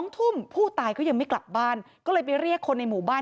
ทุ่มผู้ตายก็ยังไม่กลับบ้านก็เลยไปเรียกคนในหมู่บ้าน